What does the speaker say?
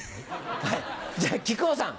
はいじゃあ木久扇さん。